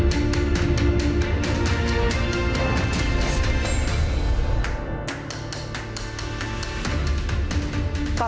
หวังว่าแกนครับ